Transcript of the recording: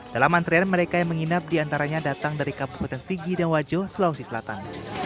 dalam antrean mereka yang menginap diantaranya datang dari kabupaten sigi dan wajo sulawesi selatan